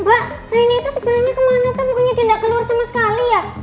mbak reina itu sebenarnya kemana mungkin dia nggak keluar sama sekali ya